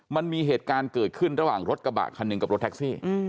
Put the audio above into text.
มันมีเหตุการณ์เกิดขึ้นระหว่างรถกระบะคันหนึ่งกับรถแท็กซี่